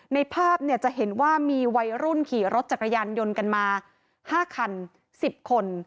ในภาพจะเห็นว่ามีวัยรุ่นขี่รถจักรยานยนต์กันมา๕คัน๑๐คน